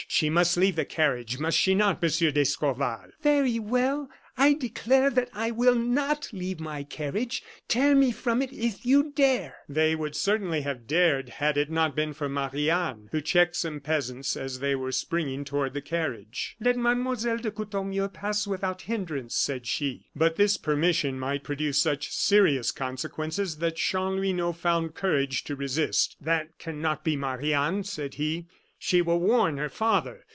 She must leave the carriage, must she not, Monsieur d'Escorval?" "Very well! I declare that I will not leave my carriage; tear me from it if you dare!" They would certainly have dared had it not been for Marie Anne, who checked some peasants as they were springing toward the carriage. "Let Mademoiselle de Courtornieu pass without hinderance," said she. But this permission might produce such serious consequences that Chanlouineau found courage to resist. "That cannot be, Marie Anne," said he; "she will warn her father.